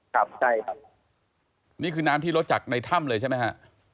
ครับใช่ครับนี่คือน้ำที่ลดจากในถ้ำเลยใช่ไหมฮะ